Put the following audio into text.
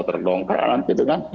tergongkaran gitu kan